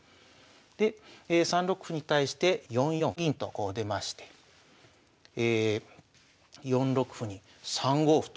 で３六歩に対して４四銀とこう出まして４六歩に３五歩と。